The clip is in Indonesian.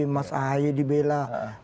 mas ahaye dibela